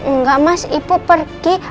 nggak mas ibu pergi